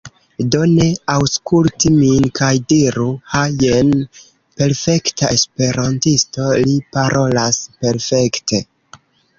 Do, ne aŭskulti min kaj diru, "Ha jen perfekta Esperantisto, li parolas perfekte!"